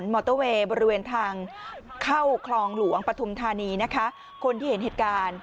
มอเตอร์เวย์บริเวณทางโครงหลวงปฐุมธาณีคนที่เห็นเหตุการณ์